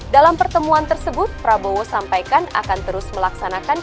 dalam pertemuan tersebut prabowo sampaikan akan terus melaksanakan